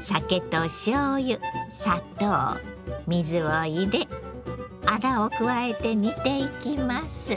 酒としょうゆ砂糖水を入れあらを加えて煮ていきます。